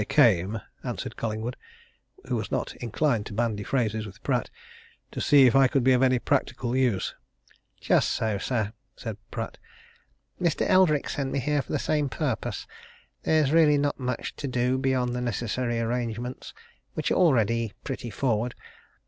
"I came," answered Collingwood, who was not inclined to bandy phrases with Pratt, "to see if I could be of any practical use." "Just so, sir," said Pratt. "Mr. Eldrick sent me here for the same purpose. There's really not much to do beyond the necessary arrangements, which are already pretty forward.